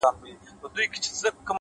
د گريوان ډورۍ ته دادی ځان ورسپاري ـ